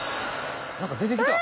何か出てきた。